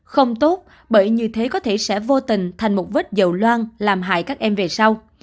không tốt bởi như thế có thể sẽ vô tình thành một vết dầu loan làm hại các em về sau